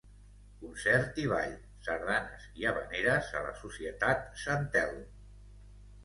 Concert i ball, sardanes i havaneres a la Societat Sant Telm.